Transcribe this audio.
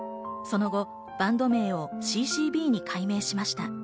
その後、バンド名をＣ−Ｃ−Ｂに改名しました。